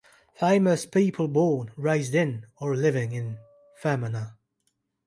Famous people born, raised in or living in Fermanagh.